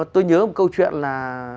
tôi nhớ một câu chuyện là